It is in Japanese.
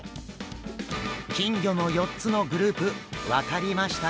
金魚の４つのグループ分かりましたか？